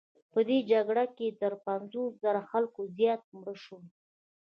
په دې جګړو کې تر پنځوس زره خلکو زیات مړه شول.